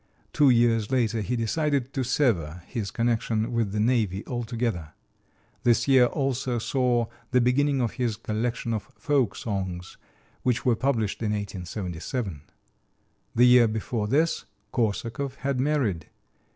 Two years later he decided to sever his connection with the Navy altogether. This year also saw the beginning of his collection of folk songs, which were published in 1877. The year before this, Korsakov had married.